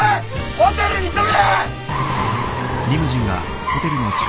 ホテルに急げ！